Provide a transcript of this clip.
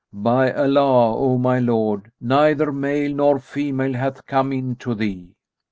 By Allah, O my lord, neither male nor female hath come in to thee!"